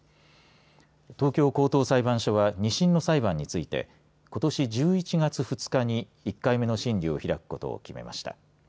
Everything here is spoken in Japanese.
東京高等裁判所は２審の裁判についてことし１１月２日に１回目の審理を開くことを決めました。